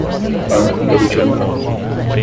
Banco Meridional